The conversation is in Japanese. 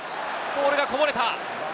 ボールがこぼれた。